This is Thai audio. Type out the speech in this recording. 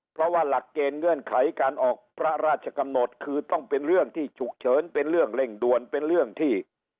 เพราะว่าหลักเกณฑ์เงื่อนไขการออกพระราชกำหนดคือต้องเป็นเรื่องที่ฉุกเฉินเป็นเรื่องเร่งด่วนเป็นเรื่องที่